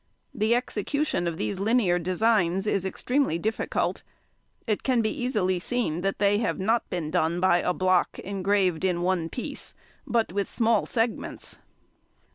The execution of these linear designs is extremely difficult. It can be easily seen that they have not been done by a block engraved in one piece, but with small segments.